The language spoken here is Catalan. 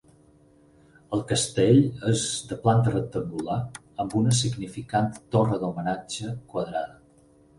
El castell és de planta rectangular amb una significant torre d’homenatge quadrada.